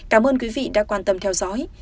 cảm ơn quý vị đã quan tâm theo dõi